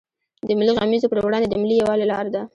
د ملي غمیزو پر وړاندې د ملي یوالي لار ده.